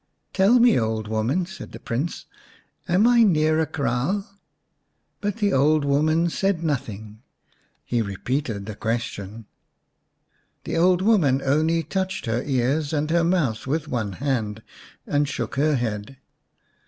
" Tell me, old woman," said the Prince, " am I near a kraal ?" But the old woman said nothing. He repeated the question. The old woman only touched her ears and her mouth with one hand, and shook her head.